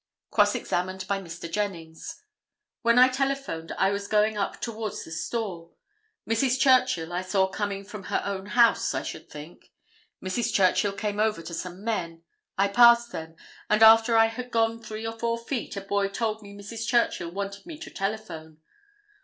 Cross examined by Mr. Jennings—"When I telephoned I was going up towards the store. Mrs. Churchill I saw coming from her own house, I should think. Mrs. Churchill came over to some men. I passed them, and after I had gone three or four feet a boy told me Mrs. Churchill wanted me to telephone.